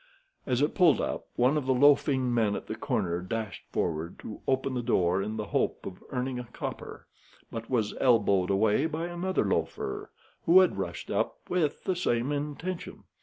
As it pulled up one of the loafing men at the corner dashed forward to open the door in the hope of earning a copper, but was elbowed away by another loafer who had rushed up with the same intention.